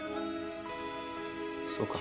そうか。